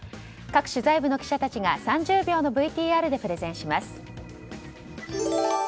各取材部の記者たちが３０秒のＶＴＲでプレゼンします。